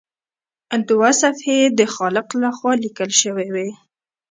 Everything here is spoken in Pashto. دوه صفحې یې د خالق لخوا لیکل شوي وي.